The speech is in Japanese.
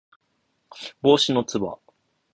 帽子のつば